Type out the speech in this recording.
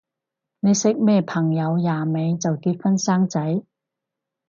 你識咩朋友廿尾就結婚生仔？